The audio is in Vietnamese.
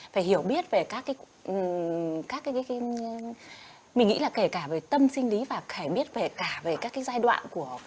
phải hiểu biết về các mình nghĩ là kể cả về tâm sinh lý và khả biết về cả về các cái giai đoạn của